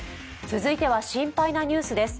続いては心配なニュースです。